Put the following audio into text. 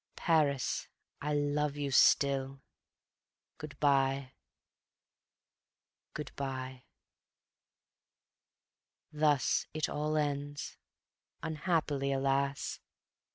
Paris, I love you still ... good by, good by. Thus it all ends unhappily, alas!